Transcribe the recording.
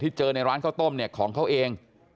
เจอในร้านข้าวต้มเนี่ยของเขาเอง